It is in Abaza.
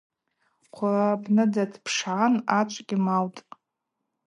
Хъвлапныдза дпшгӏан ачв гьимаутӏ.